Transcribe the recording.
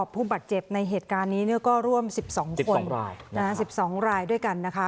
ผู้บาดเจ็บในเหตุการณ์นี้ก็ร่วม๑๒คน๑๒รายด้วยกันนะคะ